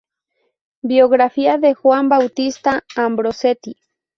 Biografía de Juan Bautista Ambrosetti